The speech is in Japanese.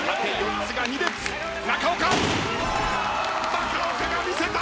中岡が魅せた！